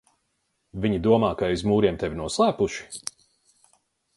Viņi domā, ka aiz mūriem tevi noslēpuši?